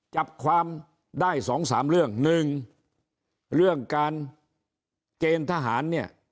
จับความได้สองสามเรื่องหนึ่งเรื่องการเกณฑ์ทหารเนี่ย